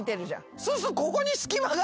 そうするとここに隙間があるじゃん。